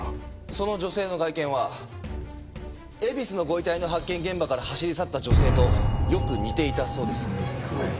その女性の外見は恵比寿のご遺体の発見現場から走り去った女性とよく似ていたそうです。